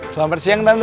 selamat siang tante